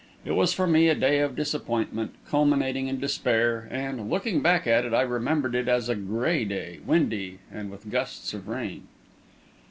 It was for me a day of disappointment, culminating in despair, and, looking back at it, I remember it as a grey day, windy, and with gusts of rain.